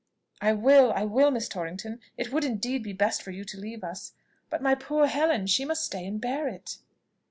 "I will I will, Miss Torrington. It would, indeed, be best for you to leave us. But my poor Helen, she must stay and bear it."